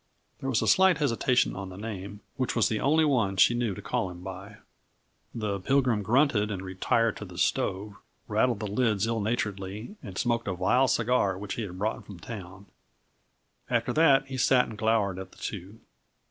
There was a slight hesitation on the name, which was the only one she knew to call him by. The Pilgrim grunted and retired to the stove, rattled the lids ill naturedly and smoked a vile cigar which he had brought from town. After that he sat and glowered at the two.